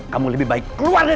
kamu lebih baik keluar dari rumah